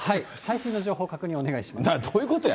最新の情報確認お願いします。